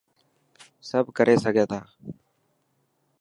سڀ ڪري سگهي ٿا.